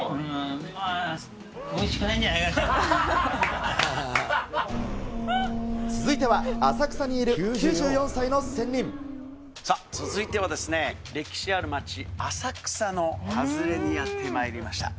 まあ、おいしくないんじゃないか続いては、さあ、続いては歴史ある町、浅草の外れにやってまいりました。